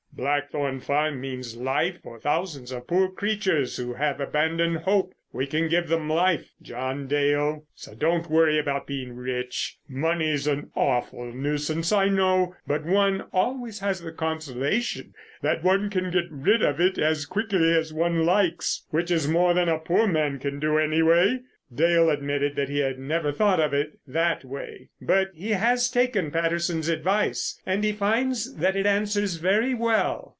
Blackthorn Farm means life for thousands of poor creatures who have abandoned hope. We can give 'em life, John Dale, so don't worry about being rich. Money's an awful nuisance I know, but one always has the consolation that one can get rid of it as quickly as one likes—which is more than a poor man can do, anyway!" Dale admitted that he had never thought of it in that way. But he has taken Patterson's advice, and he finds that it answers very well.